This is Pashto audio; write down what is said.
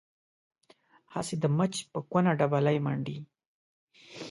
هسې د مچ په کونه ډبلی منډي.